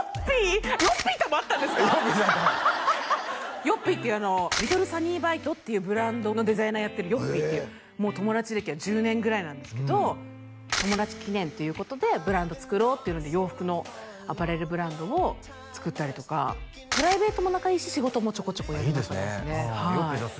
ＹＯＰＰＹさんともＹＯＰＰＹっていうリトルサニーバイトっていうブランドのデザイナーやってるＹＯＰＰＹっていうもう友達歴は１０年ぐらいなんですけど友達記念ということでブランド作ろうっていうので洋服のアパレルブランドを作ったりとかプライベートも仲いいし仕事もちょこちょこやる仲ですねＹＯＰＰＹさん